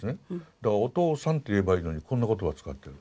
だからお父さんって言えばいいのにこんな言葉を使ってる。